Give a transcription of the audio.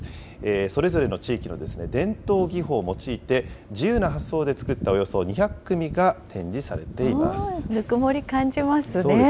それぞれの地域の伝統技法を用いて、自由な発想で作ったおよそ２００組が展示されています。